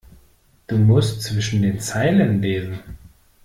Du musst zwischen den Zeilen lesen.